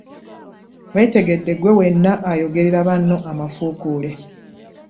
Weetegedde ggwe wenna ayogerera banno amafuukuule.